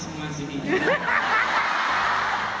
semua tapi semua di sini